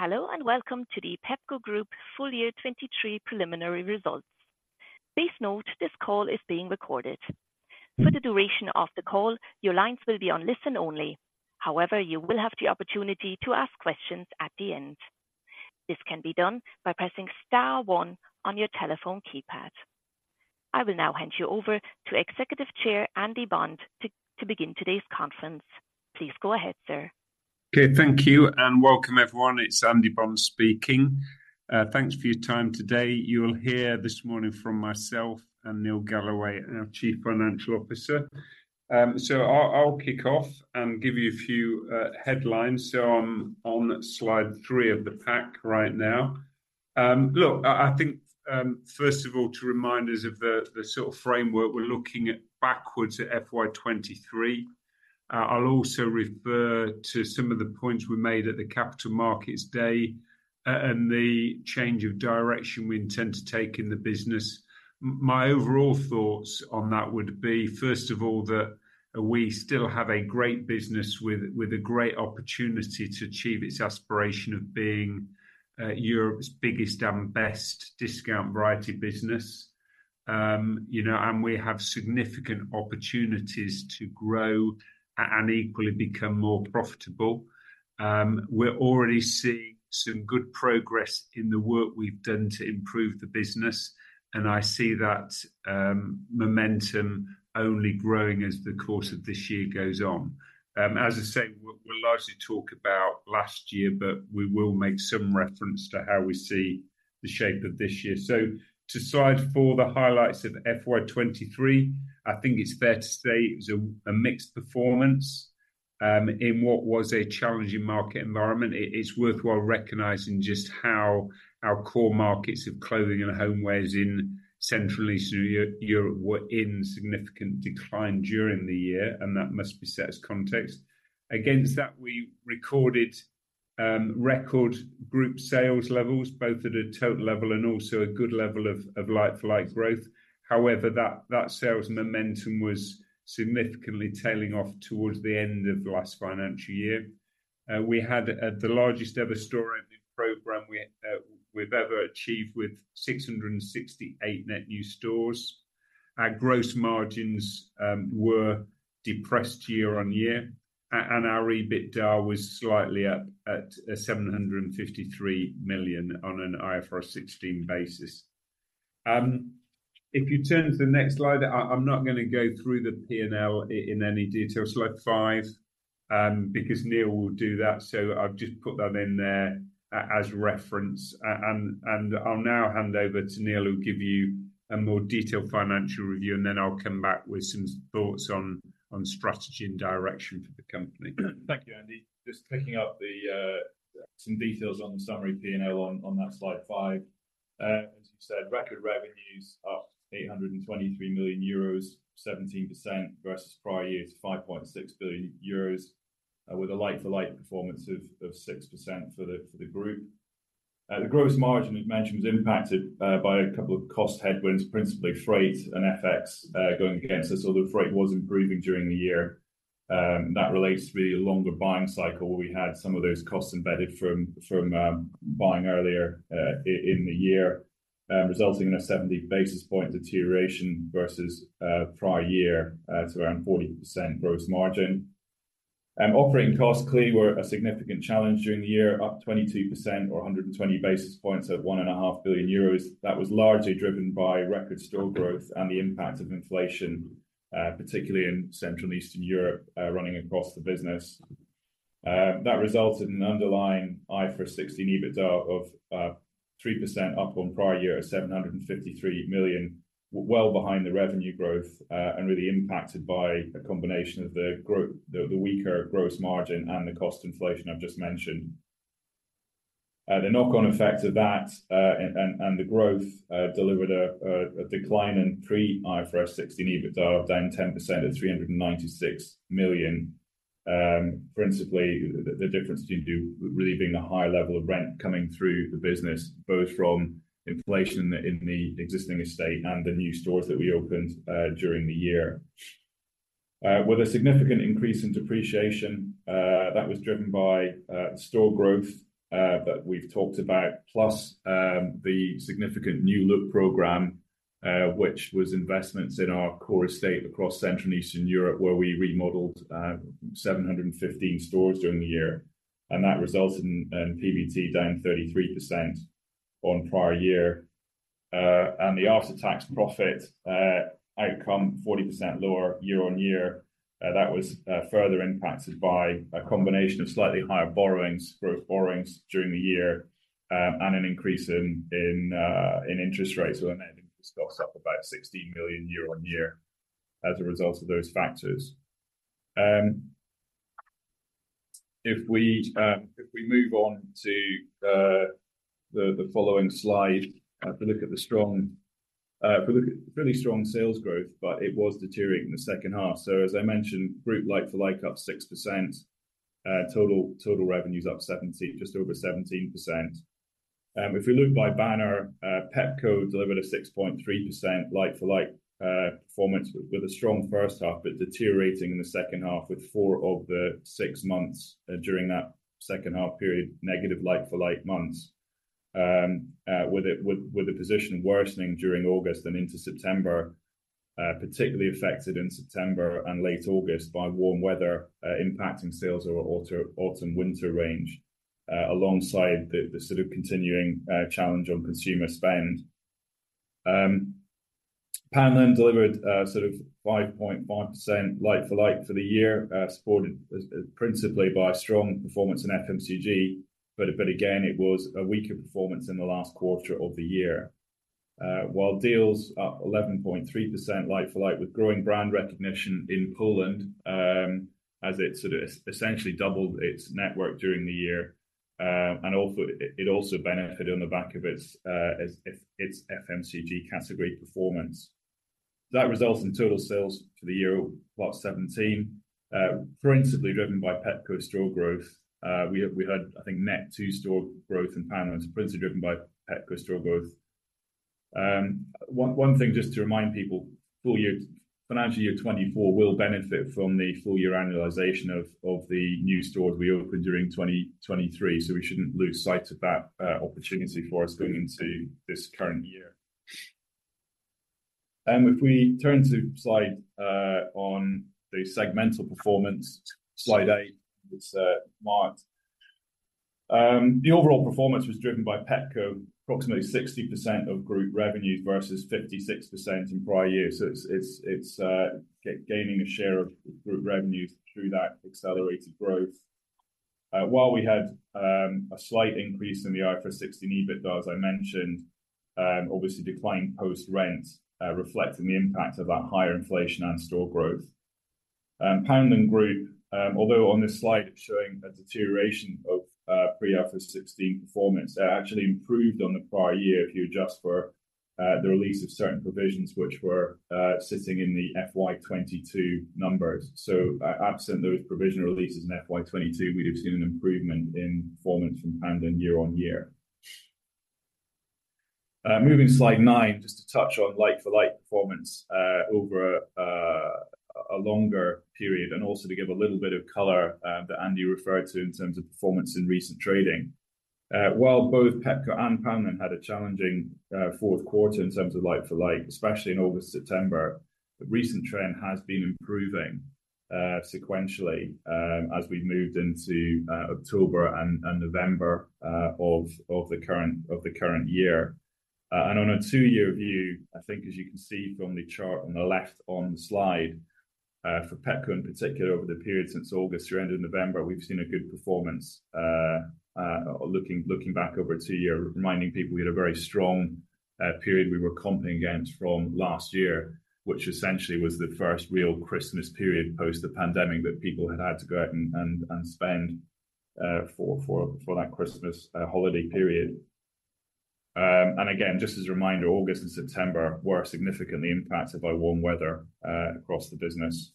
Hello, and welcome to the Pepco Group Full Year 2023 preliminary results. Please note, this call is being recorded. For the duration of the call, your lines will be on listen only. However, you will have the opportunity to ask questions at the end. This can be done by pressing star one on your telephone keypad. I will now hand you over to Executive Chair Andy Bond to begin today's conference. Please go ahead, sir. Okay, thank you, and welcome, everyone. It's Andy Bond speaking. Thanks for your time today. You will hear this morning from myself and Neil Galloway, our Chief Financial Officer. So I'll kick off and give you a few headlines. So I'm on slide 3 of the pack right now. Look, I think first of all, to remind us of the sort of framework we're looking at backwards at FY 2023. I'll also refer to some of the points we made at the Capital Markets Day, and the change of direction we intend to take in the business. My overall thoughts on that would be, first of all, that we still have a great business with a great opportunity to achieve its aspiration of being Europe's biggest and best discount variety business. You know, and we have significant opportunities to grow and equally become more profitable. We're already seeing some good progress in the work we've done to improve the business, and I see that momentum only growing as the course of this year goes on. As I said, we'll largely talk about last year, but we will make some reference to how we see the shape of this year. So to slide 4, the highlights of FY 23, I think it's fair to say it was a mixed performance in what was a challenging market environment. It's worthwhile recognizing just how our core markets of clothing and homewares in Central and Eastern Europe were in significant decline during the year, and that must be set as context. Against that, we recorded record group sales levels, both at a total level and also a good level of like-for-like growth. However, that sales momentum was significantly tailing off towards the end of the last financial year. We had the largest ever store opening program we've ever achieved with 668 net new stores. Our gross margins were depressed year-on-year, and our EBITDA was slightly up at 753 million on an IFRS 16 basis. If you turn to the next slide, I'm not gonna go through the P&L in any detail, slide 5, because Neil will do that. So I've just put that in there as reference, and I'll now hand over to Neil, who'll give you a more detailed financial review, and then I'll come back with some thoughts on strategy and direction for the company. Thank you, Andy. Just picking up the some details on the summary P&L on that slide five. As you said, record revenues up 823 million euros, 17% versus prior year's 5.6 billion euros, with a like-for-like performance of 6% for the group. The gross margin you mentioned was impacted by a couple of cost headwinds, principally freight and FX, going against us, although freight was improving during the year. That relates to the longer buying cycle where we had some of those costs embedded from buying earlier in the year, resulting in a 70 basis points deterioration versus prior year to around 40% gross margin. Operating costs clearly were a significant challenge during the year, up 22% or 120 basis points at 1.5 billion euros. That was largely driven by record store growth and the impact of inflation, particularly in Central and Eastern Europe, running across the business. That resulted in an underlying IFRS 16 EBITDA of 3% up on prior year at 753 million, well behind the revenue growth, and really impacted by a combination of the weaker gross margin and the cost inflation I've just mentioned. The knock-on effect of that and the growth delivered a decline in pre-IFRS 16 EBITDA, down 10% at 396 million. Principally, the difference due to really being a high level of rent coming through the business, both from inflation in the existing estate and the new stores that we opened during the year. With a significant increase in depreciation that was driven by store growth that we've talked about, plus the significant New Look program, which was investments in our core estate across Central and Eastern Europe, where we remodeled 715 stores during the year. And that resulted in PBT down 33% on prior year. And the after-tax profit outcome 40% lower year on year. That was further impacted by a combination of slightly higher borrowings, growth borrowings during the year, and an increase in interest rates and then interest costs up about 60 million year-on-year as a result of those factors. If we move on to the following slide to look at the strong, we look at really strong sales growth, but it was deteriorating in the second half. So as I mentioned, group like-for-like up 6%, total revenues up 17, just over 17%.... If we look by banner, Pepco delivered a 6.3% like-for-like performance with a strong first half, but deteriorating in the second half, with four of the six months during that second half period, negative like-for-like months. With the position worsening during August and into September, particularly affected in September and late August by warm weather, impacting sales of our autumn winter range, alongside the sort of continuing challenge on consumer spend. Poundland delivered sort of 5.5% like-for-like for the year, supported principally by strong performance in FMCG, but again, it was a weaker performance in the last quarter of the year. While Dealz up 11.3% like-for-like with growing brand recognition in Poland, as it sort of essentially doubled its network during the year. And also, it also benefited on the back of its FMCG category performance. That results in total sales for the year of 17%, principally driven by Pepco store growth. We had, I think, net 2 store growth in Poundland, principally driven by Pepco store growth. One thing just to remind people, full-year financial year 2024 will benefit from the full-year annualization of the new stores we opened during 2023, so we shouldn't lose sight of that opportunity for us going into this current year. If we turn to slide on the segmental performance, slide 8, it's marked. The overall performance was driven by Pepco, approximately 60% of group revenues, versus 56% in prior years. So it's gaining a share of group revenues through that accelerated growth. While we had a slight increase in the IFRS 16 EBITDA, as I mentioned, obviously declining post-rent, reflecting the impact of that higher inflation and store growth. Poundland Group, although on this slide, it's showing a deterioration of pre-IFRS 16 performance, it actually improved on the prior year if you adjust for the release of certain provisions, which were sitting in the FY 2022 numbers. So, absent those provision releases in FY 2022, we'd have seen an improvement in performance from Poundland year-on-year. Moving to slide 9, just to touch on like-for-like performance over a longer period, and also to give a little bit of color that Andy referred to in terms of performance in recent trading. While both Pepco and Poundland had a challenging fourth quarter in terms of like-for-like, especially in August, September, the recent trend has been improving sequentially as we moved into October and November of the current year. On a two-year view, I think as you can see from the chart on the left on the slide, for Pepco in particular, over the period since August through end of November, we've seen a good performance. Looking back over two-year, reminding people we had a very strong period we were comping against from last year, which essentially was the first real Christmas period post the pandemic, that people had had to go out and spend for that Christmas holiday period. And again, just as a reminder, August and September were significantly impacted by warm weather across the business.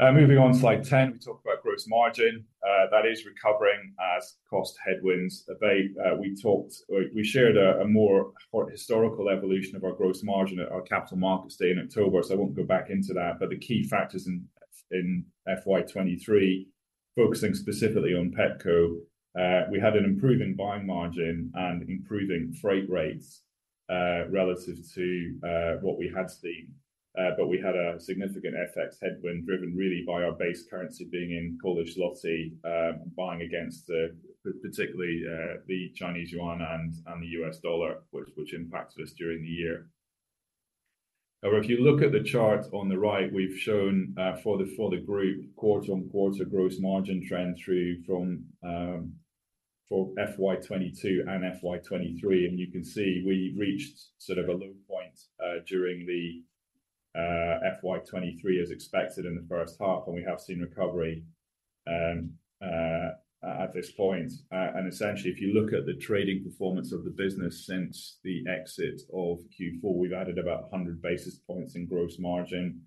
Moving on to slide 10, we talk about gross margin. That is recovering as cost headwinds abate. We talked. We shared a more historical evolution of our gross margin at our Capital Markets Day in October, so I won't go back into that. But the key factors in FY 2023, focusing specifically on Pepco, we had an improving buying margin and improving freight rates relative to what we had seen. But we had a significant FX headwind, driven really by our base currency being in Polish zloty, buying against, particularly, the Chinese yuan and the US dollar, which impacted us during the year. However, if you look at the chart on the right, we've shown for the group, quarter-on-quarter gross margin trend through from for FY 2022 and FY 2023. You can see we reached sort of a low point during the FY 2023, as expected in the first half, and we have seen recovery at this point. Essentially, if you look at the trading performance of the business since the exit of Q4, we've added about 100 basis points in gross margin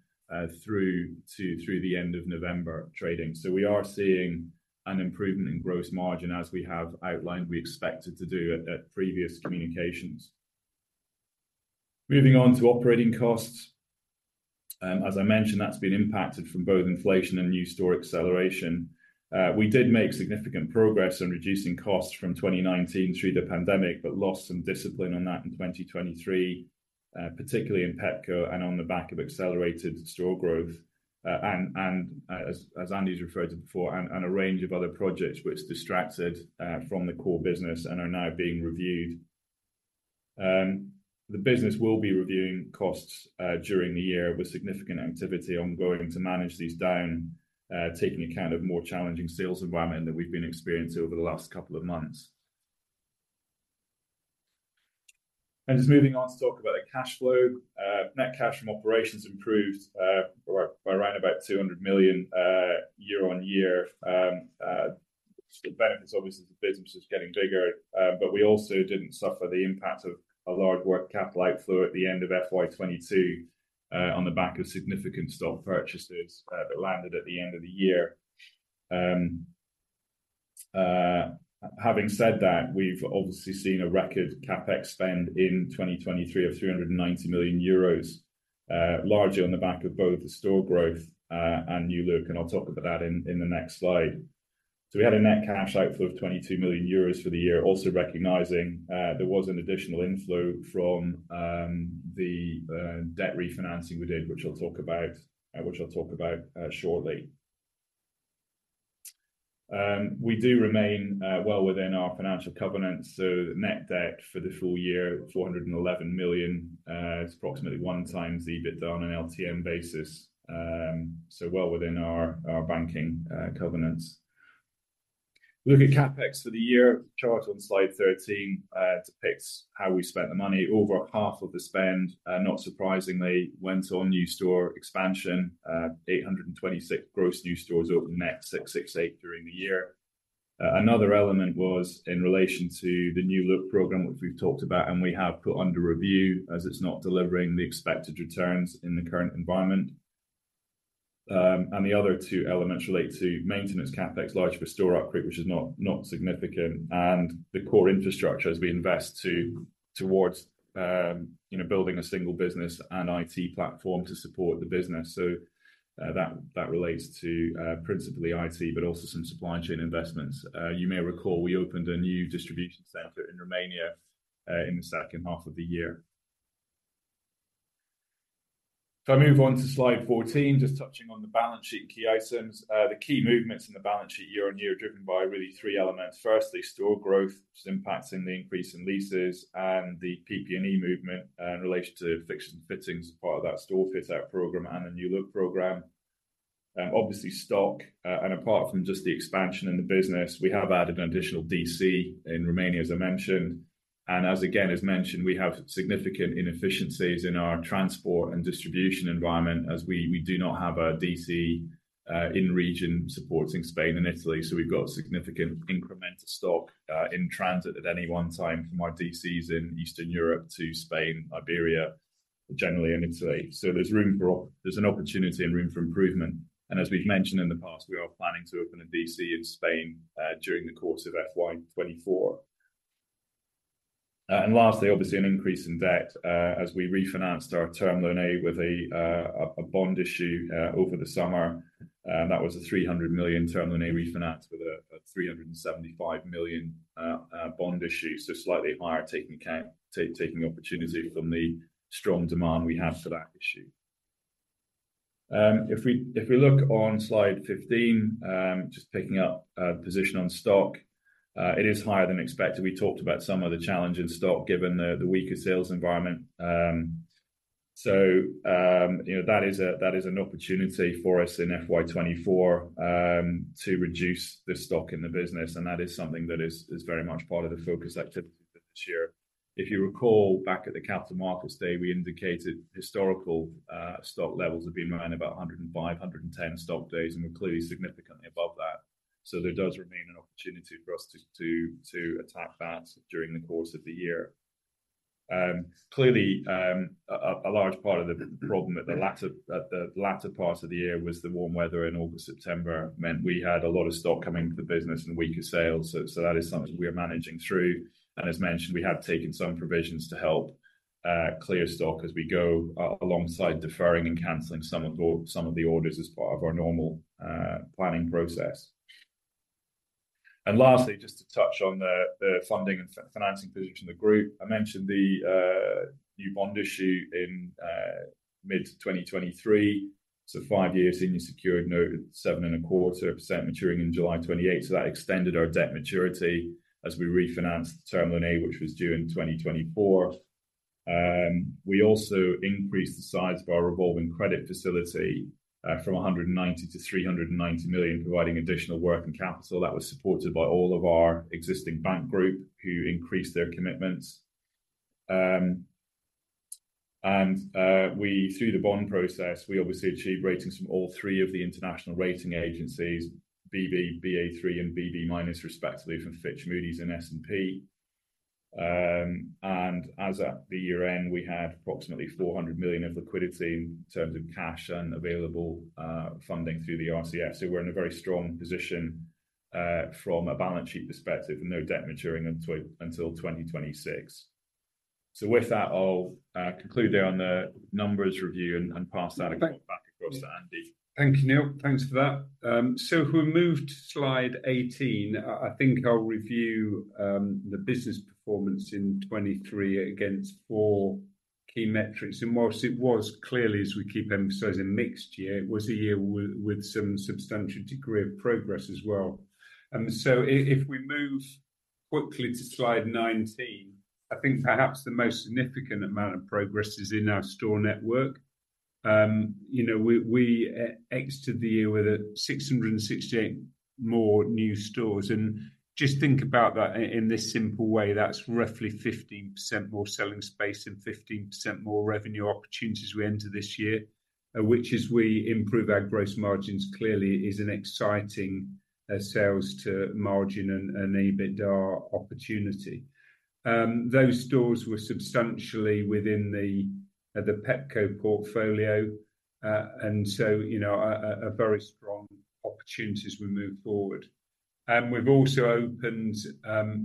through to the end of November trading. We are seeing an improvement in gross margin as we have outlined we expected to do at previous communications. Moving on to operating costs. As I mentioned, that's been impacted from both inflation and new store acceleration. We did make significant progress on reducing costs from 2019 through the pandemic, but lost some discipline on that in 2023, particularly in Pepco and on the back of accelerated store growth. And as Andy's referred to before, and a range of other projects which distracted from the core business and are now being reviewed. The business will be reviewing costs during the year, with significant activity ongoing to manage these down, taking account of more challenging sales environment that we've been experiencing over the last couple of months. And just moving on to talk about the cash flow. Net cash from operations improved by around about 200 million year-on-year. Benefits, obviously, as the business is getting bigger. But we also didn't suffer the impact of a large working capital outflow at the end of FY 2022, on the back of significant stock purchases that landed at the end of the year. Having said that, we've obviously seen a record CapEx spend in 2023 of 390 million euros, largely on the back of both the store growth and New Look, and I'll talk about that in the next slide. So we had a net cash outflow of 22 million euros for the year. Also recognizing, there was an additional inflow from the debt refinancing we did, which I'll talk about shortly. We do remain well within our financial covenants, so the net debt for the full year, 411 million, is approximately 1x the EBITDA on an LTM basis. So well within our banking covenants. Look at CapEx for the year. Chart on slide 13 depicts how we spent the money. Over half of the spend, not surprisingly, went on new store expansion. 826 gross new stores opened, net 668 during the year. Another element was in relation to the New Look program, which we've talked about, and we have put under review as it's not delivering the expected returns in the current environment. And the other two elements relate to maintenance CapEx, largely for store upgrade, which is not significant, and the core infrastructure as we invest towards, you know, building a single business and IT platform to support the business. So, that relates to principally IT, but also some supply chain investments. You may recall, we opened a new distribution center in Romania in the second half of the year. If I move on to slide 14, just touching on the balance sheet key items. The key movements in the balance sheet year-on-year, driven by really 3 elements. Firstly, store growth is impacting the increase in leases and the PP&E movement in relation to fixtures and fittings as part of that store fit-out program and the New Look program. Obviously stock, and apart from just the expansion in the business, we have added an additional DC in Romania, as I mentioned. And as again, as mentioned, we have significant inefficiencies in our transport and distribution environment, as we do not have a DC in region supporting Spain and Italy. So we've got significant incremental stock in transit at any one time from our DCs in Eastern Europe to Spain, Iberia, generally, and Italy. So there's an opportunity and room for improvement, and as we've mentioned in the past, we are planning to open a DC in Spain during the course of FY 2024. And lastly, obviously, an increase in debt as we refinanced our Term Loan A with a bond issue over the summer. And that was a 300 million Term Loan A refinance with a 375 million bond issue. So slightly higher, taking account, taking opportunity from the strong demand we have for that issue. If we look on slide 15, just picking up a position on stock, it is higher than expected. We talked about some of the challenge in stock given the weaker sales environment. So, you know, that is an opportunity for us in FY 2024 to reduce the stock in the business, and that is something that is very much part of the focus activity this year. If you recall back at the Capital Markets Day, we indicated historical stock levels have been around about 105, 110 stock days, and we're clearly significantly above that. So there does remain an opportunity for us to attack that during the course of the year. Clearly, a large part of the problem at the latter part of the year was the warm weather in August, September, meant we had a lot of stock coming to the business and weaker sales. So that is something we are managing through. As mentioned, we have taken some provisions to help clear stock as we go, alongside deferring and canceling some of the orders as part of our normal planning process. Lastly, just to touch on the funding and financing position of the group. I mentioned the new bond issue in mid-2023, so 5-year senior secured note, 7.25% maturing in July 2028. So that extended our debt maturity as we refinanced the Term Loan A, which was due in 2024. We also increased the size of our revolving credit facility from 190 million to 390 million, providing additional working capital that was supported by all of our existing bank group, who increased their commitments. And through the bond process, we obviously achieved ratings from all three of the international rating agencies, BB, Ba3, and BB-, respectively, from Fitch, Moody's, and S&P. And as at the year-end, we had approximately 400 million of liquidity in terms of cash and available funding through the RCF. So we're in a very strong position from a balance sheet perspective, and no debt maturing until 2026. So with that, I'll conclude there on the numbers review and pass that back across to Andy. Thank you, Neil. Thanks for that. So if we move to slide 18, I think I'll review the business performance in 2023 against four key metrics. And while it was clearly, as we keep emphasizing, a mixed year, it was a year with some substantial degree of progress as well. And so if we move quickly to slide 19, I think perhaps the most significant amount of progress is in our store network. You know, we exited the year with 668 more new stores, and just think about that in this simple way, that's roughly 15% more selling space and 15% more revenue opportunities as we enter this year, which as we improve our gross margins, clearly is an exciting sales to margin and EBITDA opportunity. Those stores were substantially within the Pepco portfolio. And so, you know, a very strong opportunity as we move forward. And we've also opened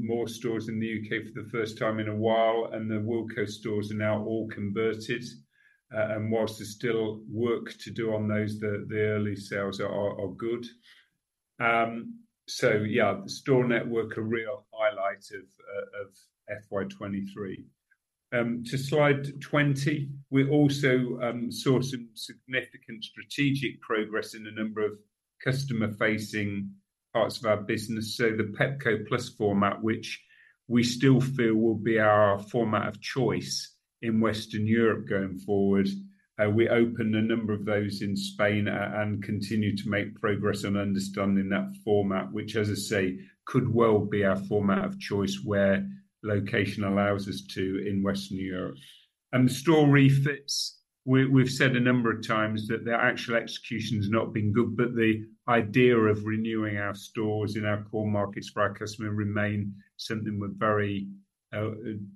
more stores in the U.K. for the first time in a while, and the Wilko stores are now all converted. And while there's still work to do on those, the early sales are good. So yeah, the store network, a real highlight of FY 2023. To slide 20, we also saw some significant strategic progress in a number of customer-facing parts of our business. So the Pepco Plus format, which we still feel will be our format of choice in Western Europe going forward. We opened a number of those in Spain and continue to make progress in understanding that format, which, as I say, could well be our format of choice where location allows us to in Western Europe. And the store refits, we've said a number of times that the actual execution's not been good, but the idea of renewing our stores in our core markets for our customer remain something we're very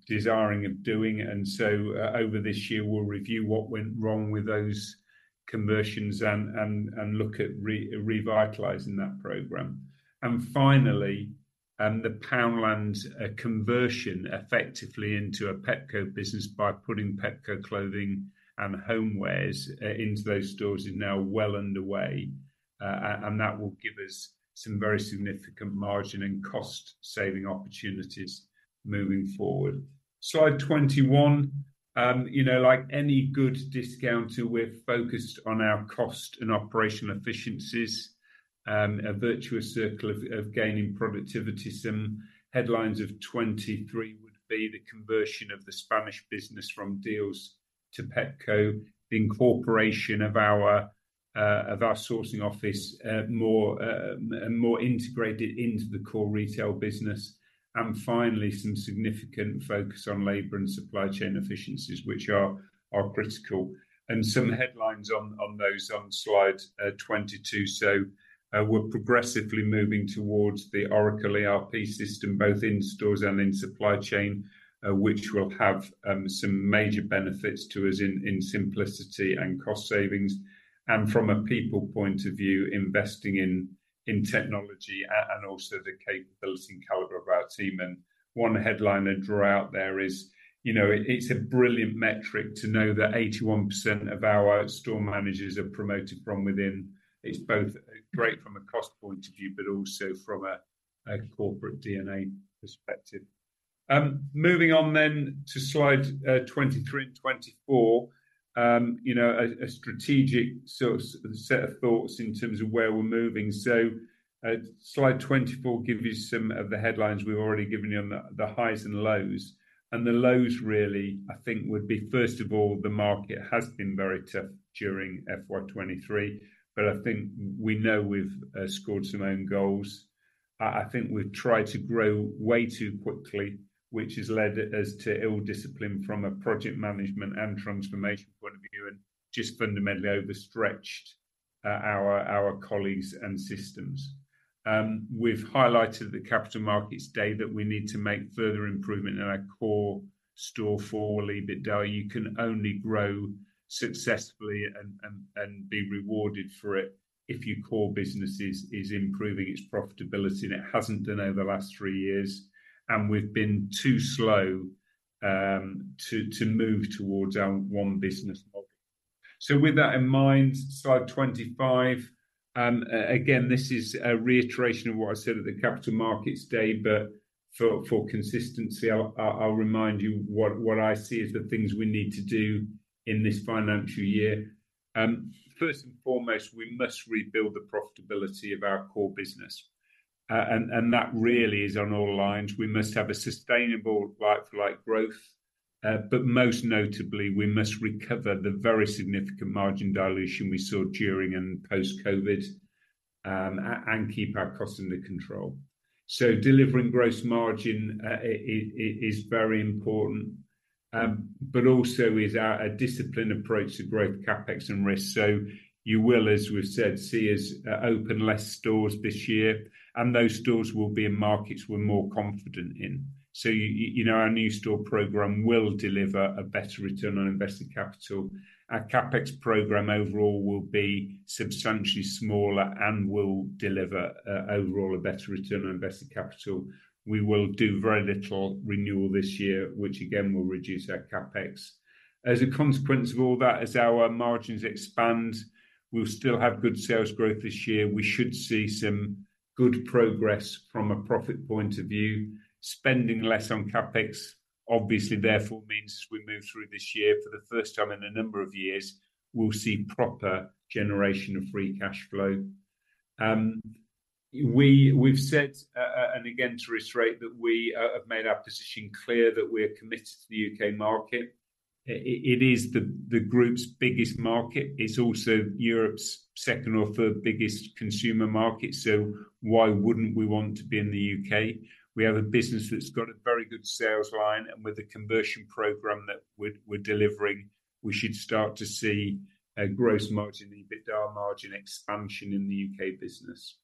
desiring of doing. And so, over this year, we'll review what went wrong with those conversions and look at revitalizing that program. And finally, the Poundland conversion effectively into a Pepco business by putting Pepco clothing and homewares into those stores is now well underway. And that will give us some very significant margin and cost-saving opportunities moving forward. Slide 21. You know, like any good discounter, we're focused on our cost and operational efficiencies, a virtuous circle of gaining productivity. Some headlines of 2023 would be the conversion of the Spanish business from Dealz to Pepco, the incorporation of our sourcing office, more integrated into the core retail business. And finally, some significant focus on labor and supply chain efficiencies, which are critical. And some headlines on those on slide 22. So, we're progressively moving towards the Oracle ERP system, both in stores and in supply chain, which will have some major benefits to us in simplicity and cost savings. And from a people point of view, investing in technology and also the capability and caliber of our team. One headline I'd draw out there is, you know, it's a brilliant metric to know that 81% of our store managers are promoted from within. It's both great from a cost point of view, but also from a corporate DNA perspective. Moving on then to slide 23 and 24. You know, a strategic sort of set of thoughts in terms of where we're moving. So, slide 24 gives you some of the headlines we've already given you on the highs and lows. And the lows really, I think, would be, first of all, the market has been very tough during FY 2023, but I think we know we've scored some own goals. I think we've tried to grow way too quickly, which has led us to ill-discipline from a project management and transformation point of view, and just fundamentally overstretched our colleagues and systems. We've highlighted at the Capital Markets Day that we need to make further improvement in our core store for EBITDA. You can only grow successfully and be rewarded for it if your core business is improving its profitability, and it hasn't done over the last three years, and we've been too slow to move towards our one business model. So with that in mind, slide 25, again, this is a reiteration of what I said at the Capital Markets Day, but for consistency, I'll remind you what I see as the things we need to do in this financial year. First and foremost, we must rebuild the profitability of our core business, and that really is on all lines. We must have a sustainable like-for-like growth, but most notably, we must recover the very significant margin dilution we saw during and post-COVID, and keep our costs under control. So delivering gross margin is very important, but also is a disciplined approach to growth, CapEx and risk. So you will, as we've said, see us open less stores this year, and those stores will be in markets we're more confident in. So you know, our new store program will deliver a better return on invested capital. Our CapEx program overall will be substantially smaller and will deliver overall a better return on invested capital. We will do very little renewal this year, which again, will reduce our CapEx. As a consequence of all that, as our margins expand, we'll still have good sales growth this year. We should see some good progress from a profit point of view. Spending less on CapEx, obviously therefore means as we move through this year, for the first time in a number of years, we'll see proper generation of free cash flow. We've said, and again, to reiterate, that we have made our position clear that we're committed to the UK market. It is the group's biggest market. It's also Europe's second or third biggest consumer market, so why wouldn't we want to be in the U.K.? We have a business that's got a very good sales line, and with the conversion program that we're delivering, we should start to see a gross margin, EBITDA margin expansion in the U.K. business...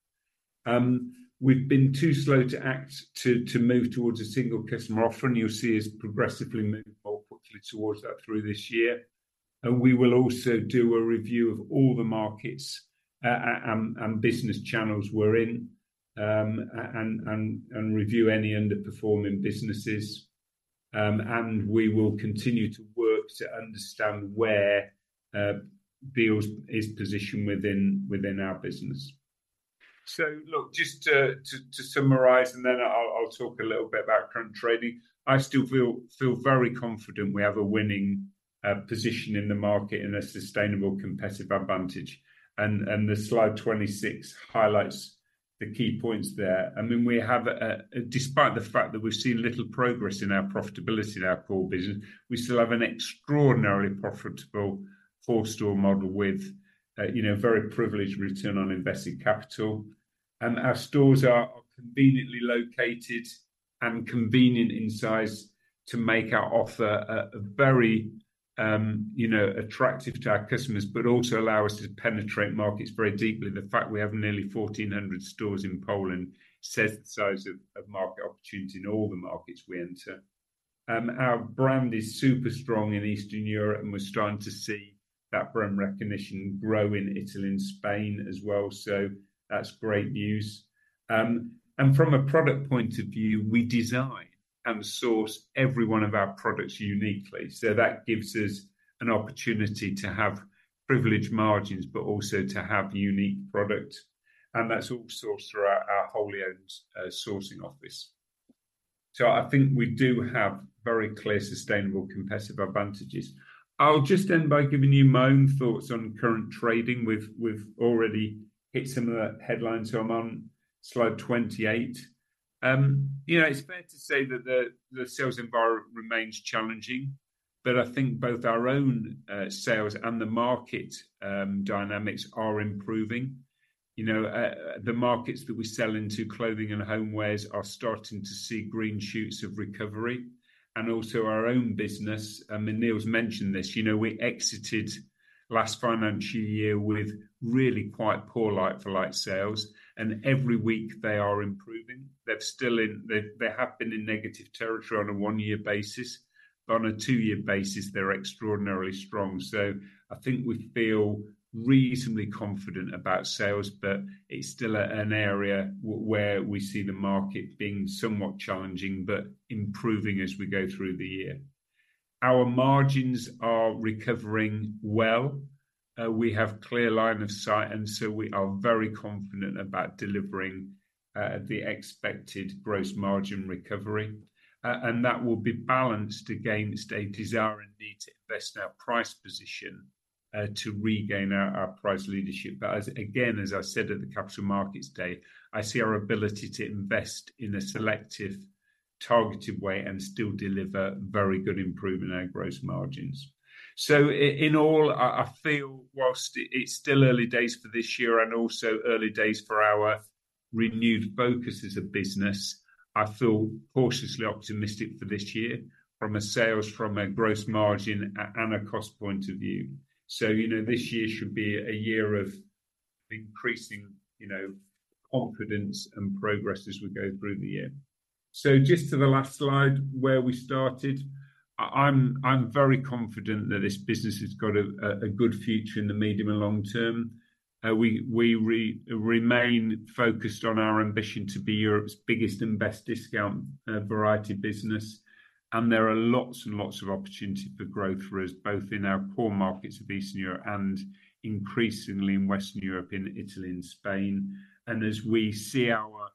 We've been too slow to act to move towards a single customer offer, and you'll see us progressively move more quickly towards that through this year. And we will also do a review of all the markets, and business channels we're in, and review any underperforming businesses. And we will continue to work to understand where Dealz is positioned within our business. So look, just to summarise, and then I'll talk a little bit about current trading. I still feel very confident we have a winning position in the market and a sustainable competitive advantage. And the slide 26 highlights the key points there. I mean, we have a-- despite the fact that we've seen little progress in our profitability in our core business, we still have an extraordinarily profitable 4-store model with a, you know, very privileged return on invested capital. And our stores are conveniently located and convenient in size to make our offer a very, you know, attractive to our customers, but also allow us to penetrate markets very deeply. The fact we have nearly 1,400 stores in Poland says the size of market opportunity in all the markets we enter. Our brand is super strong in Eastern Europe, and we're starting to see that brand recognition grow in Italy and Spain as well, so that's great news. And from a product point of view, we design and source every one of our products uniquely. So that gives us an opportunity to have privileged margins, but also to have unique product, and that's all sourced through our wholly owned sourcing office. So I think we do have very clear, sustainable competitive advantages. I'll just end by giving you my own thoughts on current trading. We've already hit some of the headlines, so I'm on slide 28. You know, it's fair to say that the sales environment remains challenging, but I think both our own sales and the market dynamics are improving. You know, the markets that we sell into, clothing and homewares, are starting to see green shoots of recovery, and also our own business, I mean, Neil's mentioned this, you know, we exited last financial year with really quite poor like-for-like sales, and every week they are improving. They're still in the they have been in negative territory on a one-year basis, but on a two-year basis, they're extraordinarily strong. So I think we feel reasonably confident about sales, but it's still an area where we see the market being somewhat challenging, but improving as we go through the year. Our margins are recovering well. We have clear line of sight, and so we are very confident about delivering the expected gross margin recovery. And that will be balanced against a desire and need to invest in our price position to regain our price leadership. But as I said again at the Capital Markets Day, I see our ability to invest in a selective, targeted way and still deliver very good improvement in our gross margins. So in all, I feel while it's still early days for this year and also early days for our renewed focus as a business, I feel cautiously optimistic for this year from a sales, from a gross margin, and a cost point of view. So, you know, this year should be a year of increasing, you know, confidence and progress as we go through the year. So just to the last slide, where we started, I'm very confident that this business has got a good future in the medium and long term. We remain focused on our ambition to be Europe's biggest and best discount variety business, and there are lots and lots of opportunity for growth for us, both in our core markets of Eastern Europe and increasingly in Western Europe, in Italy and Spain. And as we see our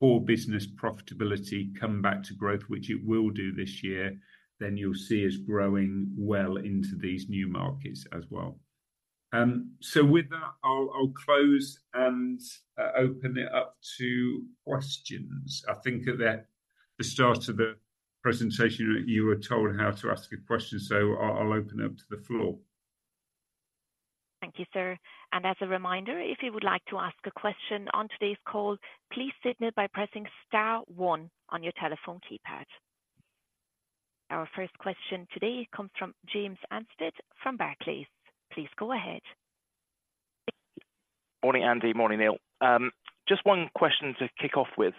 core business profitability come back to growth, which it will do this year, then you'll see us growing well into these new markets as well. So with that, I'll close and open it up to questions. I think at the start of the presentation, you were told how to ask a question, so I'll open it up to the floor. Thank you, sir. As a reminder, if you would like to ask a question on today's call, please signal by pressing star one on your telephone keypad. Our first question today comes from James Anstead from Barclays. Please go ahead. Morning, Andy. Morning, Neil. Just one question to kick off with.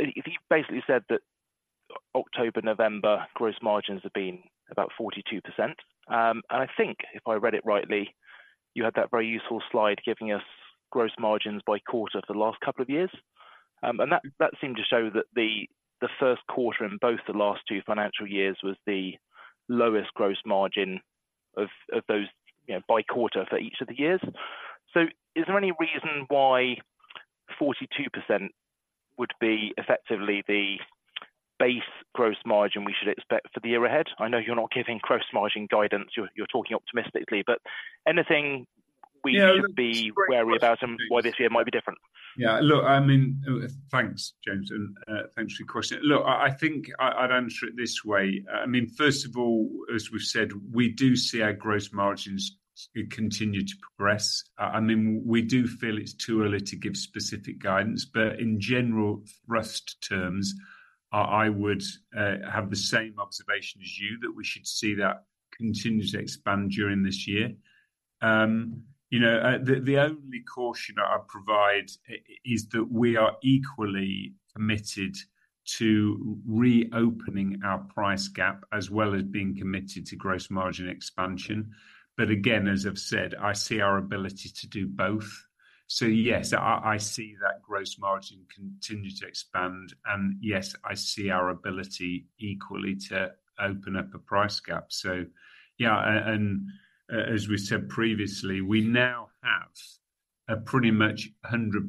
You basically said that October, November gross margins have been about 42%. And I think if I read it rightly, you had that very useful slide giving us gross margins by quarter for the last couple of years. And that seemed to show that the first quarter in both the last two financial years was the lowest gross margin of those, you know, by quarter for each of the years. So is there any reason why 42% would be effectively the base gross margin we should expect for the year ahead? I know you're not giving gross margin guidance, you're talking optimistically, but anything we need to be wary about and why this year might be different? Yeah. Look, I mean... Thanks, James, and, thanks for your question. Look, I think I'd answer it this way. I mean, first of all, as we've said, we do see our gross margins continue to progress. I mean, we do feel it's too early to give specific guidance, but in general terms, I would have the same observation as you, that we should see that gross margin continue to expand during this year. You know, the only caution I provide is that we are equally committed to reopening our price gap, as well as being committed to gross margin expansion. But again, as I've said, I see our ability to do both. So yes, I see that gross margin continue to expand, and yes, I see our ability equally to open up a price gap. So yeah, and as we said previously, we now have pretty much 100%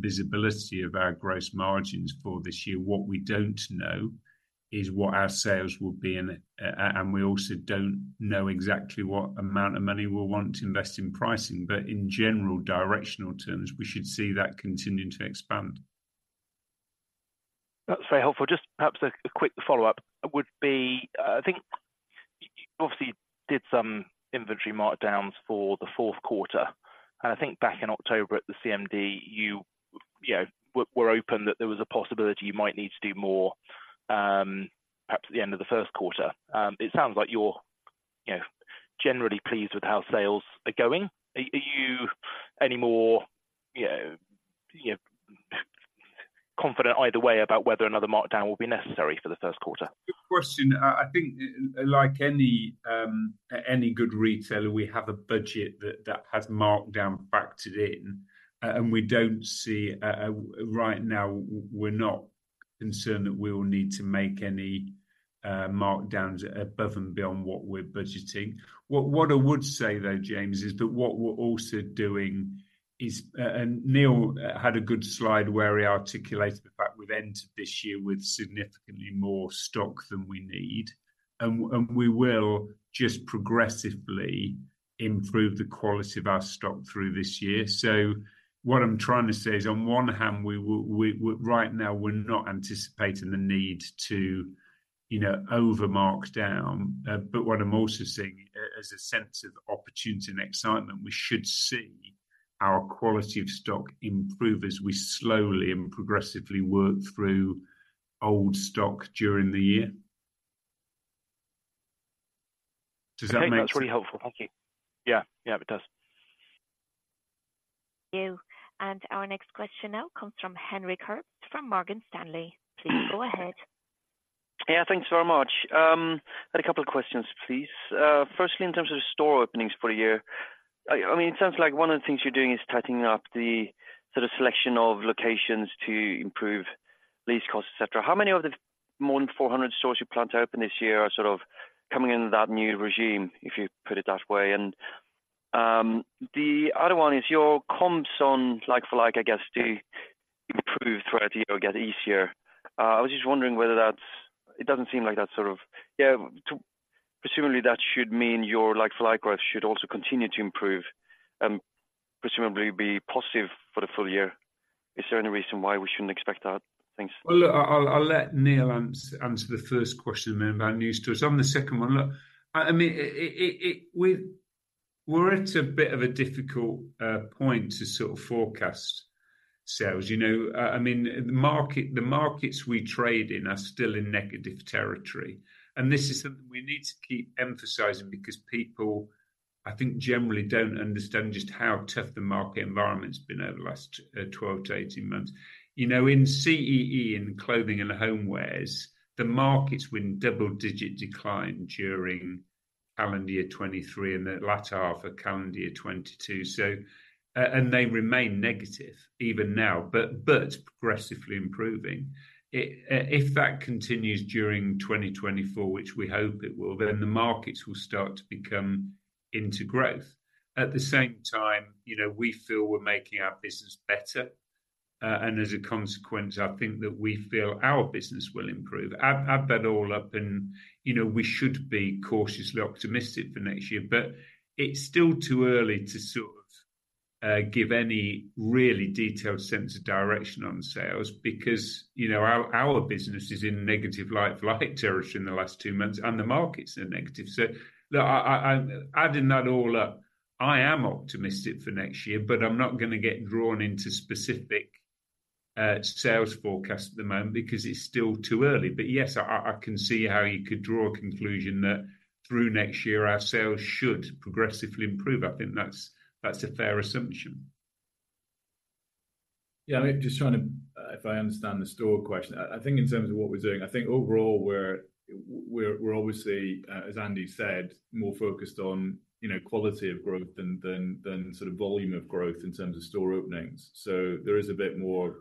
visibility of our gross margins for this year. What we don't know is what our sales will be, and we also don't know exactly what amount of money we'll want to invest in pricing, but in general, directional terms, we should see that continuing to expand. That's very helpful. Just perhaps a quick follow-up would be. I think you obviously did some inventory markdowns for the fourth quarter, and I think back in October at the CMD, you know, were open that there was a possibility you might need to do more, perhaps at the end of the first quarter. It sounds like you're, you know, generally pleased with how sales are going. Are you any more, you know, confident either way about whether another markdown will be necessary for the first quarter? Good question. I think, like any good retailer, we have a budget that has markdown factored in, and we don't see... Right now, we're not concerned that we will need to make any markdowns above and beyond what we're budgeting. What I would say, though, James, is that what we're also doing is, and Neil had a good slide where he articulated the fact we've entered this year with significantly more stock than we need, and we will just progressively improve the quality of our stock through this year. So what I'm trying to say is, on one hand, right now, we're not anticipating the need to, you know, over-markdown. But what I'm also seeing as a sense of opportunity and excitement, we should see our quality of stock improve as we slowly and progressively work through old stock during the year. Does that make sense? I think that's really helpful. Thank you. Yeah. Yeah, it does. Thank you. Our next question now comes from Henry Kirk from Morgan Stanley. Please go ahead. Yeah, thanks very much. I had a couple of questions, please. First, in terms of store openings for the year, I mean, it sounds like one of the things you're doing is tightening up the sort of selection of locations to improve lease costs, et cetera. How many of the more than 400 stores you plan to open this year are sort of coming into that new regime, if you put it that way? And, the other one is your comps on like-for-like, I guess, do improve throughout the year or get easier. I was just wondering whether that's it doesn't seem like that sort of. Yeah, to presumably, that should mean your like-for-like growth should also continue to improve and presumably be positive for the full year. Is there any reason why we shouldn't expect that? Thanks. Well, look, I'll let Neil answer the first question then about new stores. On the second one, look, I mean, it, we're at a bit of a difficult point to sort of forecast sales. You know, I mean, the market, the markets we trade in are still in negative territory, and this is something we need to keep emphasizing because people, I think, generally don't understand just how tough the market environment's been over the last 12-18 months. You know, in CEE, in clothing and homewares, the markets were in double-digit decline during calendar year 2023 and the latter half of calendar year 2022, so, and they remain negative even now, but progressively improving. If that continues during 2024, which we hope it will, then the markets will start to become into growth. At the same time, you know, we feel we're making our business better, and as a consequence, I think that we feel our business will improve. Add that all up and, you know, we should be cautiously optimistic for next year, but it's still too early to sort of give any really detailed sense of direction on sales because, you know, our business is in negative like-for-like territory in the last two months, and the markets are negative. So, look, Adding that all up, I am optimistic for next year, but I'm not gonna get drawn into specific sales forecasts at the moment because it's still too early. But yes, I can see how you could draw a conclusion that through next year, our sales should progressively improve. I think that's a fair assumption. Yeah, I mean, just trying to... If I understand the store question, I think in terms of what we're doing, I think overall, we're obviously, as Andy said, more focused on, you know, quality of growth than sort of volume of growth in terms of store openings. So there is a bit more,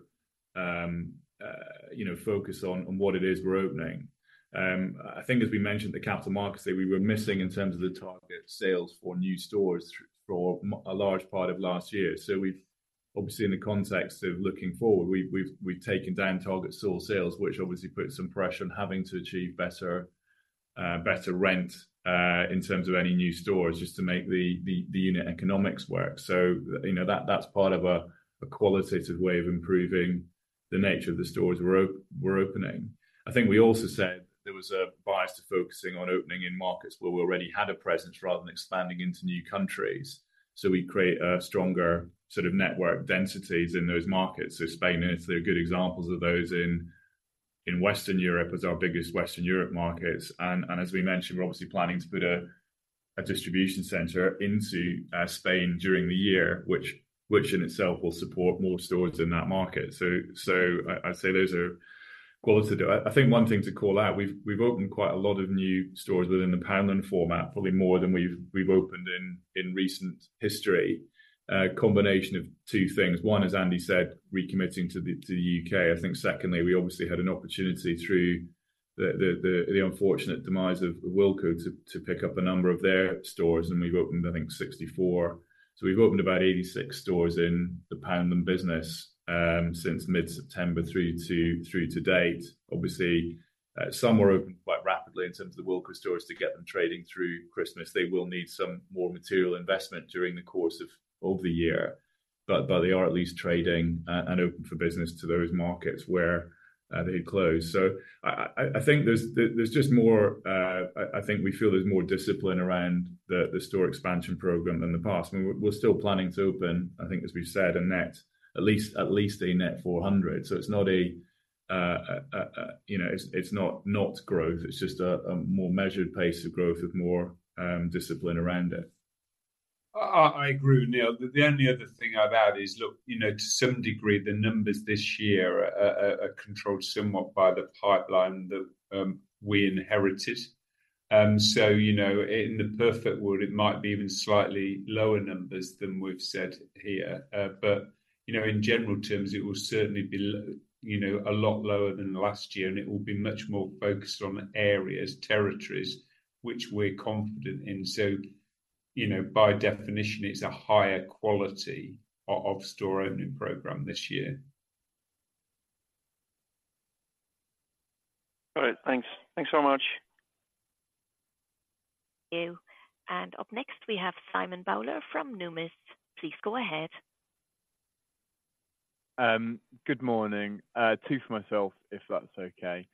you know, focus on what it is we're opening. I think as we mentioned, the capital markets day we were missing in terms of the target sales for new stores for a large part of last year. So we've, obviously, in the context of looking forward, we've taken down target store sales, which obviously puts some pressure on having to achieve better rent in terms of any new stores, just to make the unit economics work. So, you know, that, that's part of a qualitative way of improving the nature of the stores we're opening. I think we also said there was a bias to focusing on opening in markets where we already had a presence rather than expanding into new countries, so we create a stronger sort of network densities in those markets. So Spain and Italy are good examples of those in Western Europe as our biggest Western Europe markets. And as we mentioned, we're obviously planning to put a distribution center into Spain during the year, which in itself will support more stores in that market. I'd say those are quality. I think one thing to call out, we've opened quite a lot of new stores within the Poundland format, probably more than we've opened in recent history. A combination of two things. One, as Andy said, recommitting to the UK. I think secondly, we obviously had an opportunity through the unfortunate demise of Wilko to pick up a number of their stores, and we've opened, I think, 64. So we've opened about 86 stores in the Poundland business since mid-September through to date. Obviously, some were opened quite rapidly in terms of the Wilko stores to get them trading through Christmas. They will need some more material investment during the course of the year, but they are at least trading and open for business to those markets where they had closed. So I think there's just more. I think we feel there's more discipline around the store expansion program than the past. I mean, we're, we're still planning to open, I think, as we've said, a net at least 400. So it's not a, you know, it's, it's not, not growth, it's just a, a more measured pace of growth with more, discipline around it. I agree, Neil. The only other thing I'd add is, look, you know, to some degree, the numbers this year are controlled somewhat by the pipeline that we inherited. So, you know, in the perfect world, it might be even slightly lower numbers than we've said here. But, you know, in general terms, it will certainly be a lot lower than last year, and it will be much more focused on areas, territories, which we're confident in. So, you know, by definition, it's a higher quality of store opening program this year. All right, thanks. Thanks so much. Thank you, and up next, we have Simon Bowler from Numis. Please go ahead. Good morning. Two for myself, if that's okay.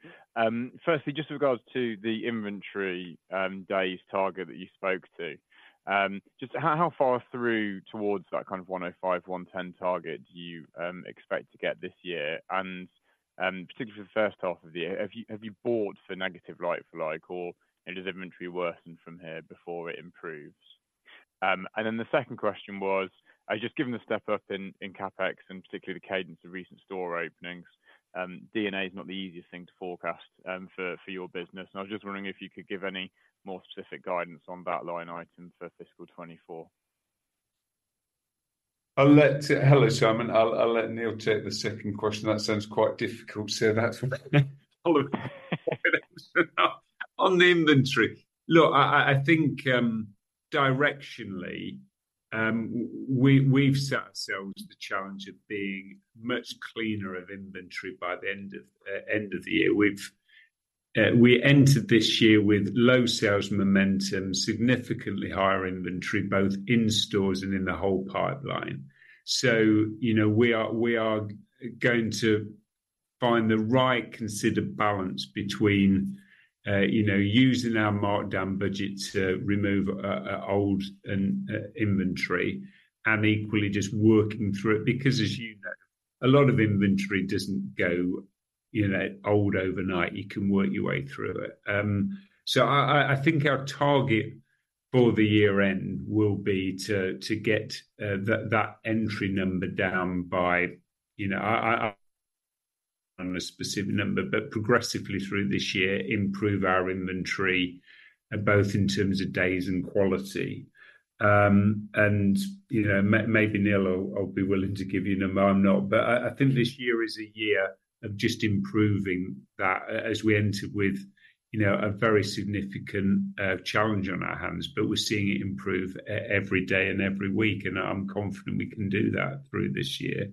Firstly, just with regards to the inventory, days target that you spoke to. Just how, how far through towards that kind of 105, 110 target do you expect to get this year and, particularly for the first half of the year? Have you, have you bought for negative like-for-like, or does inventory worsen from here before it improves? And then the second question was, I just given the step up in, in CapEx, and particularly the cadence of recent store openings, EBITDA is not the easiest thing to forecast, for, for your business. And I was just wondering if you could give any more specific guidance on that line item for fiscal 2024. I'll let—Hello, Simon. I'll let Neil take the second question. That sounds quite difficult to answer that. On the inventory. Look, I think, directionally, we've set ourselves the challenge of being much cleaner of inventory by the end of the year. We entered this year with low sales momentum, significantly higher inventory, both in stores and in the whole pipeline. So, you know, we are going to find the right considered balance between, you know, using our markdown budget to remove old inventory and equally just working through it, because as you know, a lot of inventory doesn't go, you know, old overnight. You can work your way through it. So I think our target for the year end will be to get that entry number down by, you know, a specific number, but progressively through this year, improve our inventory, both in terms of days and quality. And, you know, maybe, Neil, I'll be willing to give you a number. I'm not, but I think this year is a year of just improving that as we enter with, you know, a very significant challenge on our hands. But we're seeing it improve every day and every week, and I'm confident we can do that through this year.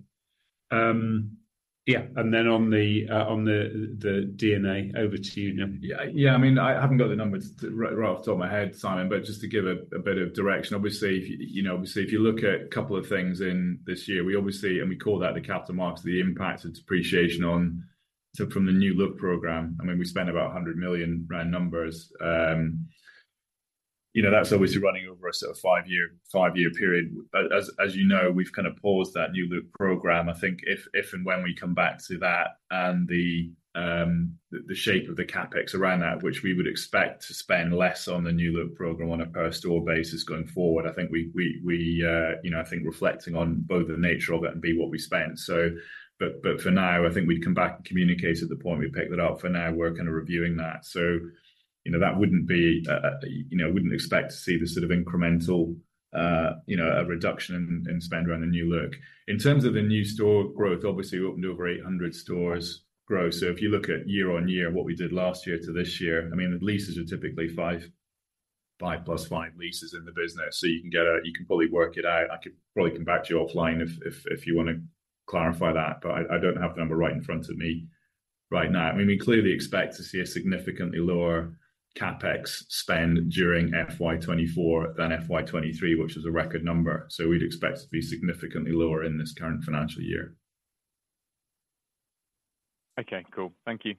Yeah, and then on the DNA, over to you, Neil. Yeah, yeah. I mean, I haven't got the numbers right off the top of my head, Simon, but just to give a bit of direction, obviously, if you know, obviously, if you look at a couple of things in this year, we obviously, and we call that the capital markets, the impact of depreciation on, so from the New Look program, I mean, we spent about 100 million round numbers. You know, that's obviously running over a sort of five-year period. As you know, we've kind of paused that New Look program. I think if, if and when we come back to that and the, the shape of the CapEx around that, which we would expect to spend less on the New Look program on a per store basis going forward, I think we, you know, I think reflecting on both the nature of it and B, what we spent. So, but, but for now, I think we'd come back and communicate at the point we picked it up. For now, we're kind of reviewing that. So, you know, that wouldn't be, you know, wouldn't expect to see the sort of incremental, you know, a reduction in, in spend around the New Look. In terms of the new store growth, obviously, we opened over 800 stores growth. So if you look at year-on-year, what we did last year to this year, I mean, the leases are typically 5, 5 plus 5 leases in the business, so you can probably work it out. I could probably come back to you offline if you want to clarify that, but I don't have the number right in front of me right now. I mean, we clearly expect to see a significantly lower CapEx spend during FY 2024 than FY 2023, which is a record number. So we'd expect to be significantly lower in this current financial year. Okay, cool. Thank you....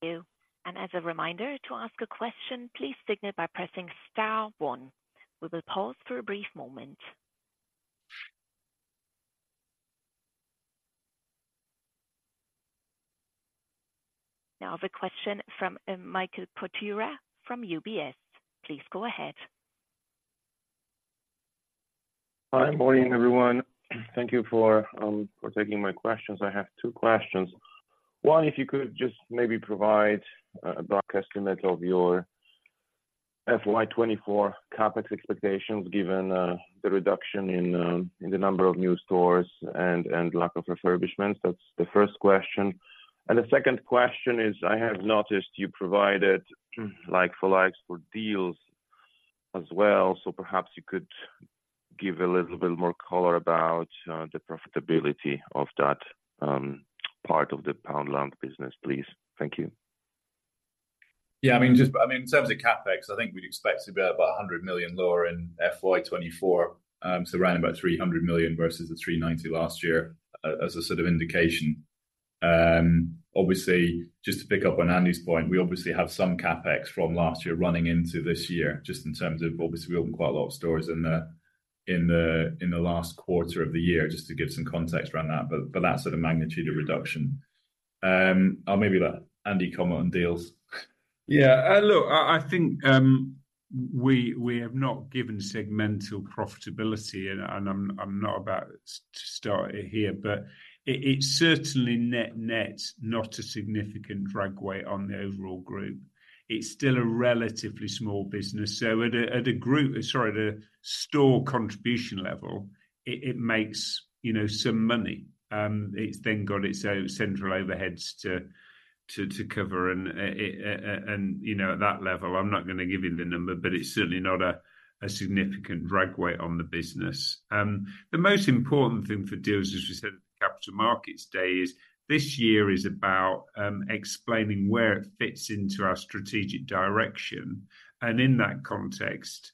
Thank you. And as a reminder, to ask a question, please signal by pressing star one. We will pause for a brief moment. Now, the question from Michal Potyra from UBS. Please go ahead. Hi. Morning, everyone. Thank you for taking my questions. I have two questions. One, if you could just maybe provide a broad estimate of your FY 2024 CapEx expectations, given the reduction in the number of new stores and lack of refurbishments. That's the first question. And the second question is, I have noticed you provided like-for-likes for Dealz as well. So perhaps you could give a little bit more color about the profitability of that part of the Poundland business, please. Thank you. Yeah, I mean, I mean, in terms of CapEx, I think we'd expect to be about 100 million lower in FY 2024. So around about 300 million versus the 390 million last year, as a sort of indication. Obviously, just to pick up on Andy's point, we obviously have some CapEx from last year running into this year, just in terms of obviously we opened quite a lot of stores in the last quarter of the year, just to give some context around that, but that sort of magnitude of reduction. I'll maybe let Andy comment on Dealz. Yeah. Look, I think we have not given segmental profitability, and I'm not about to start it here, but it's certainly net net, not a significant drag weight on the overall group. It's still a relatively small business, so at a group, sorry, at a store contribution level, it makes, you know, some money. It's then got its own central overheads to cover and, you know, at that level, I'm not gonna give you the number, but it's certainly not a significant drag weight on the business. The most important thing for Dealz, as we said at the Capital Markets Day, is this year is about explaining where it fits into our strategic direction. In that context,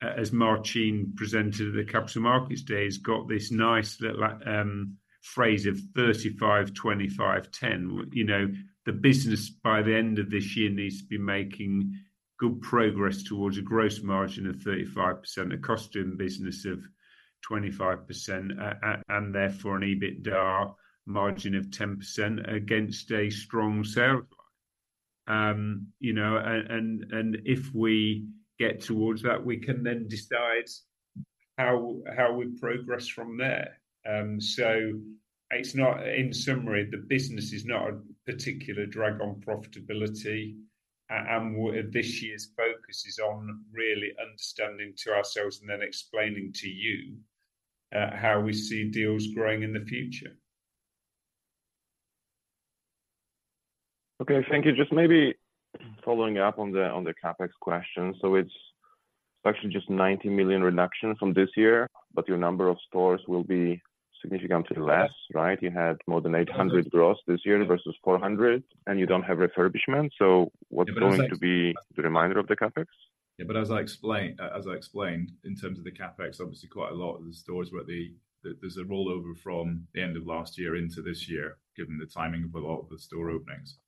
as Marcin presented at the Capital Markets Day, he's got this nice little phrase of 35, 25, 10. You know, the business, by the end of this year, needs to be making good progress towards a gross margin of 35%, a cost of business of 25%, and therefore, an EBITDA margin of 10% against a strong sales. You know, and if we get towards that, we can then decide how we progress from there. So it's not... In summary, the business is not a particular drag on profitability, and this year's focus is on really understanding to ourselves and then explaining to you how we see Dealz growing in the future. Okay, thank you. Just maybe following up on the, on the CapEx question. So it's actually just 90 million reduction from this year, but your number of stores will be significantly less, right? You had more than 800 gross this year versus 400, and you don't have refurbishment. So what's going to be the remainder of the CapEx? Yeah, but as I explained, in terms of the CapEx, obviously quite a lot of the stores where they, there's a rollover from the end of last year into this year, given the timing of a lot of the store openings.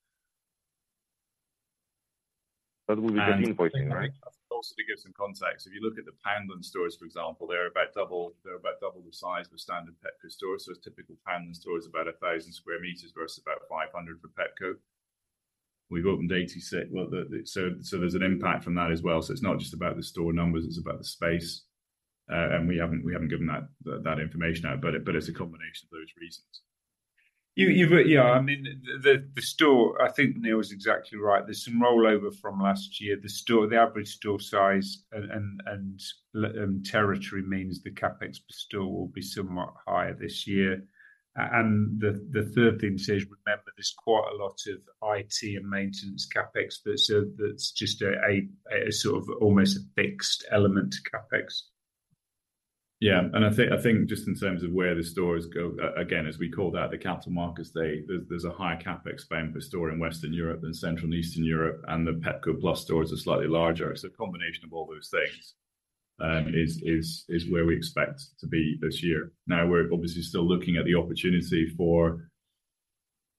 That will be the main point, right? Also, to give some context, if you look at the Poundland stores, for example, they're about double the size of a standard Pepco store. So a typical Poundland store is about 1,000 square meters versus about 500 for Pepco. We've opened 86. Well, so there's an impact from that as well. So it's not just about the store numbers, it's about the space. And we haven't given that information out, but it's a combination of those reasons. Yeah, I mean, the store, I think Neil is exactly right. There's some rollover from last year. The average store size and territory means the CapEx per store will be somewhat higher this year. And the third thing to say is, remember, there's quite a lot of IT and maintenance CapEx, but so that's just a sort of almost a fixed element to CapEx. Yeah. And I think, I think just in terms of where the stores go, again, as we call that, the Capital Markets Day, there's a higher CapEx spend per store in Western Europe than Central and Eastern Europe, and the Pepco Plus stores are slightly larger. So a combination of all those things is where we expect to be this year. Now, we're obviously still looking at the opportunity for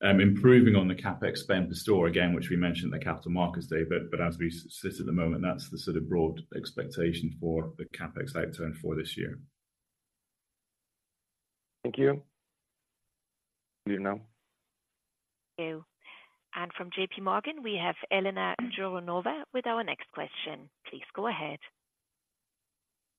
improving on the CapEx spend per store, again, which we mentioned the Capital Markets Day, but as we sit at the moment, that's the sort of broad expectation for the CapEx outturn for this year. Thank you. You now. Thank you. And from JP Morgan, we have Elena Jouronova with our next question. Please go ahead.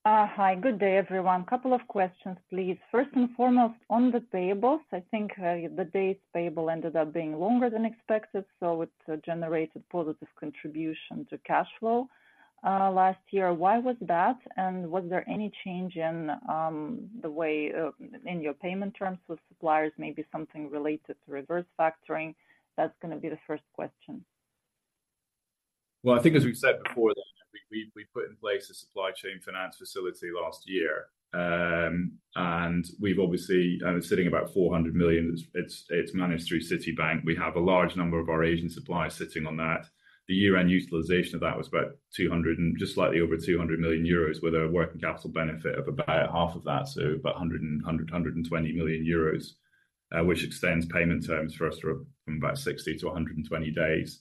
Hi. Good day, everyone. Couple of questions, please. First and foremost, on the payables, I think the days' payable ended up being longer than expected, so it generated positive contribution to cash flow last year. Why was that? And was there any change in the way in your payment terms with suppliers, maybe something related to reverse factoring? That's gonna be the first question. Well, I think as we've said before, we put in place a supply chain finance facility last year. And we've obviously sitting about 400 million. It's managed through Citibank. We have a large number of our Asian suppliers sitting on that. The year-end utilization of that was about 200, and just slightly over 200 million euros, with a working capital benefit of about half of that, so about 120 million euros, which extends payment terms for us from about 60 to 120 days.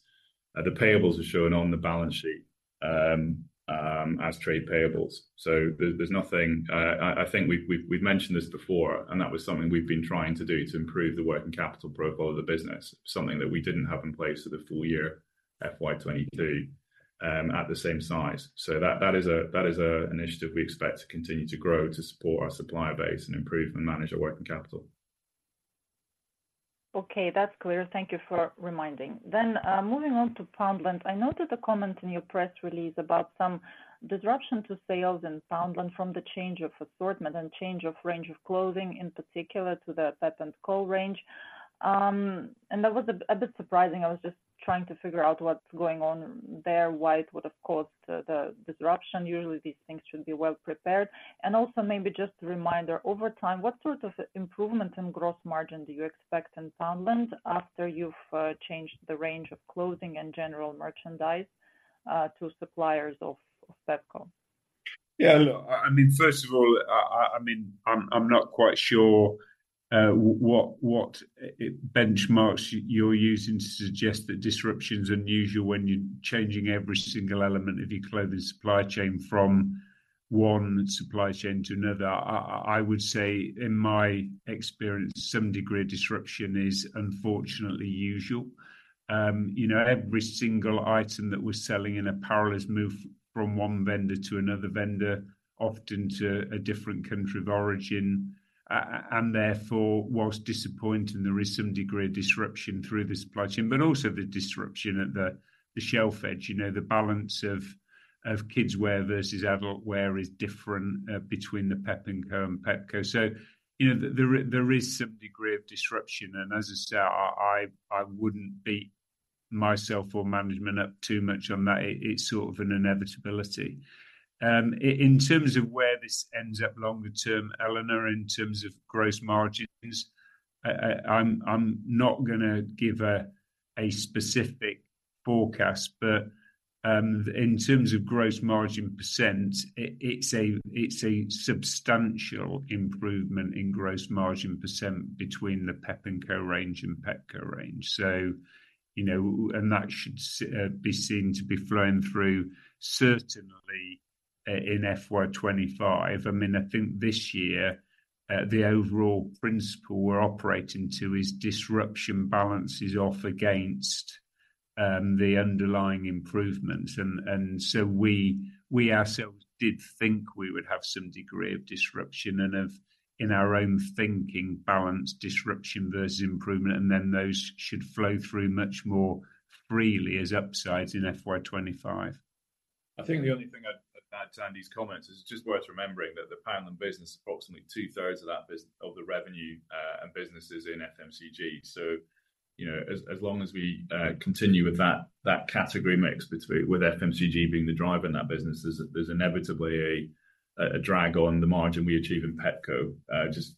The payables are shown on the balance sheet, as trade payables. So there's nothing. I think we've mentioned this before, and that was something we've been trying to do to improve the working capital profile of the business. Something that we didn't have in place for the full year, FY 2022, at the same size. So that is a initiative we expect to continue to grow to support our supplier base and improve and manage our working capital. Okay, that's clear. Thank you for reminding. Then, moving on to Poundland. I noted a comment in your press release about some disruption to sales in Poundland from the change of assortment and change of range of clothing, in particular to the Pep&Co range. And that was a bit surprising. I was just trying to figure out what's going on there, why it would have caused the disruption. Usually, these things should be well prepared. And also, maybe just a reminder, over time, what sort of improvement in gross margin do you expect in Poundland after you've changed the range of clothing and general merchandise to suppliers of Pepco? Yeah, look, I mean, first of all, I'm not quite sure what benchmarks you're using to suggest that disruption's unusual when you're changing every single element of your clothing supply chain from one supply chain to another. I would say in my experience, some degree of disruption is unfortunately usual. You know, every single item that we're selling in apparel has moved from one vendor to another vendor, often to a different country of origin. And therefore, while disappointing, there is some degree of disruption through the supply chain, but also the disruption at the shelf edge. You know, the balance of kids' wear versus adult wear is different between the Pep&Co and Pepco. So, you know, there is some degree of disruption, and as I say, I wouldn't beat myself or management up too much on that. It's sort of an inevitability. In terms of where this ends up longer term, Elena, in terms of gross margins, I'm not gonna give a specific forecast. But in terms of gross margin percent, it's a substantial improvement in gross margin percent between the Pep&Co range and Pepco range. So, you know, and that should be seen to be flowing through, certainly, in FY 2025. I mean, I think this year, the overall principle we're operating to is disruption balances off against the underlying improvements. And so we ourselves did think we would have some degree of disruption and have, in our own thinking, balanced disruption versus improvement, and then those should flow through much more freely as upsides in FY 2025. I think the only thing I'd add to Andy's comments is just worth remembering that the Poundland business, approximately two-thirds of that business of the revenue and business is in FMCG. So, you know, as long as we continue with that category mix with FMCG being the driver in that business, there's inevitably a drag on the margin we achieve in Pepco,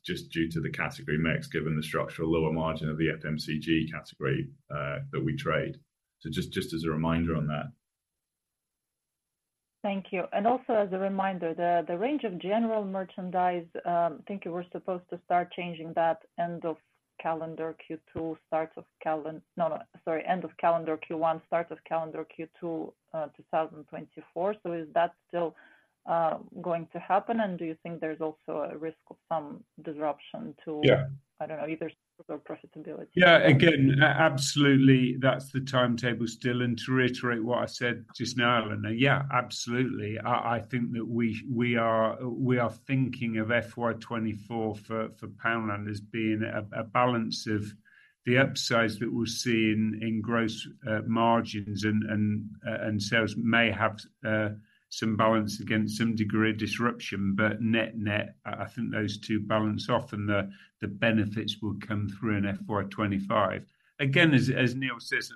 just due to the category mix, given the structural lower margin of the FMCG category that we trade. So just as a reminder on that. Thank you. And also as a reminder, the range of general merchandise, I think you were supposed to start changing that end of calendar Q2, start of calen-- No, no, sorry, end of calendar Q1, start of calendar Q2, 2024. So is that still going to happen, and do you think there's also a risk of some disruption to- Yeah... I don't know, either or profitability? Yeah, again, absolutely, that's the timetable still, and to reiterate what I said just now, Eleanor, yeah, absolutely. I think that we are thinking of FY 2024 for Poundland as being a balance of the upsides that we're seeing in gross margins and sales may have some balance against some degree of disruption. But net-net, I think those two balance off, and the benefits will come through in FY 2025. Again, as Neil says,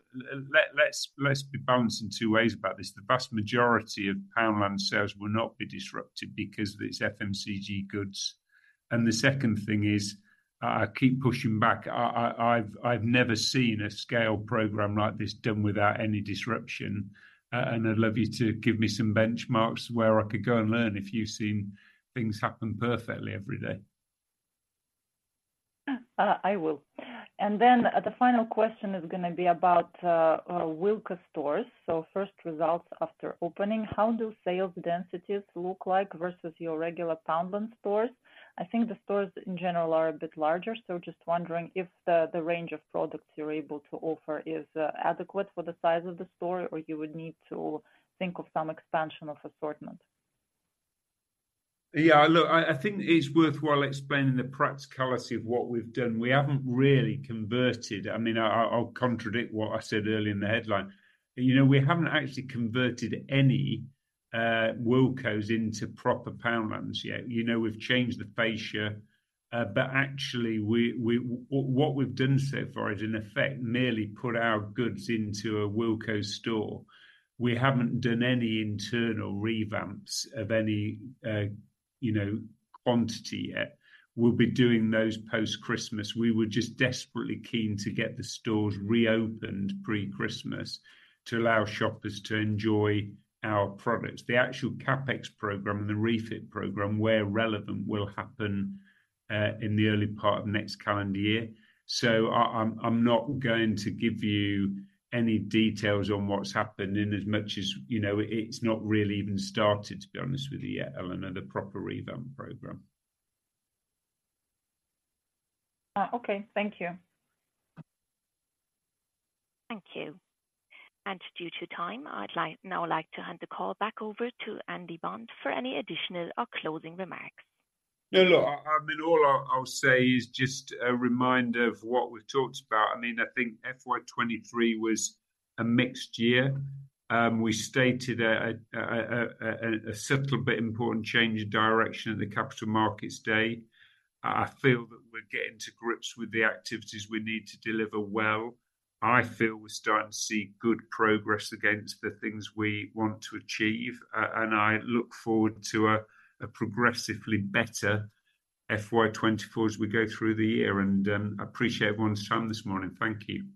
let's be balanced in two ways about this. The vast majority of Poundland sales will not be disrupted because of its FMCG goods. And the second thing is, I keep pushing back. I've never seen a scale program like this done without any disruption, and I'd love you to give me some benchmarks where I could go and learn if you've seen things happen perfectly every day. I will. And then the final question is gonna be about Wilko stores. So first results after opening, how do sales densities look like versus your regular Poundland stores? I think the stores in general are a bit larger, so just wondering if the range of products you're able to offer is adequate for the size of the store, or you would need to think of some expansion of assortment. Yeah, look, I think it's worthwhile explaining the practicality of what we've done. We haven't really converted... I mean, I'll contradict what I said earlier in the headline. You know, we haven't actually converted any Wilkos into proper Poundlands yet. You know, we've changed the fascia, but actually, what we've done so far is, in effect, merely put our goods into a Wilko store. We haven't done any internal revamps of any, you know, quantity yet. We'll be doing those post-Christmas. We were just desperately keen to get the stores reopened pre-Christmas to allow shoppers to enjoy our products. The actual CapEx program and the refit program, where relevant, will happen in the early part of next calendar year. I'm not going to give you any details on what's happened inasmuch as, you know, it's not really even started, to be honest with you yet, Elena, the proper revamp program. Okay. Thank you. Thank you. Due to time, I'd like now to hand the call back over to Andy Bond for any additional or closing remarks. Yeah, look, I mean, all I'll say is just a reminder of what we've talked about. I mean, I think FY 2023 was a mixed year. We stated a subtle but important change in direction at the Capital Markets Day. I feel that we're getting to grips with the activities we need to deliver well. I feel we're starting to see good progress against the things we want to achieve, and I look forward to a progressively better FY 2024 as we go through the year. And I appreciate everyone's time this morning. Thank you.